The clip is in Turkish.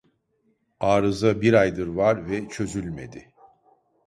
Arıza bir aydır var ve çözülmedi.